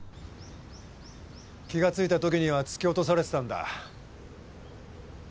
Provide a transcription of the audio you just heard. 気がついた時には突き落とされてたんだ。